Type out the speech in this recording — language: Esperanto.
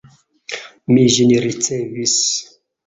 Mi ĝin ricevis.